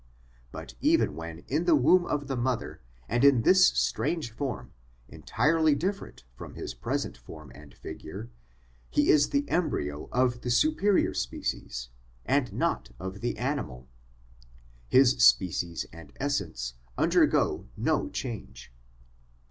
But even when in the womb of the mother and in this strange form, entirely different from his present form and figure, he is the embryo of the superior species, and not of the animal ; his species and essence undergo no change.